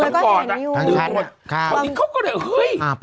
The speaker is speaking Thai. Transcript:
พี่ก็เห็นอยู่เลยเขาก็แบบเฮ้ย